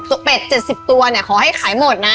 เป็ด๗๐ตัวเนี่ยขอให้ขายหมดนะ